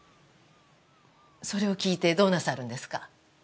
それを聞いてどうなさるんですか？